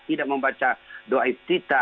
tidak membaca doa ibtiqa